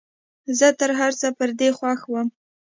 زه تر هرڅه پر دې خوښ وم.